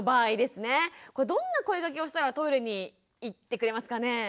これどんな声がけをしたらトイレに行ってくれますかね？